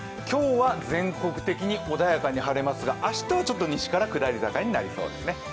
今日は全国的に穏やかに晴れますが、明日はちょっと西から下り坂になりそうですね。